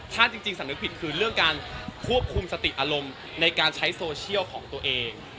ถ้าจริงสำนึกผิดคือเรื่องการควบคุมสติอารมณ์ในการใช้โซเชียลของตัวเอง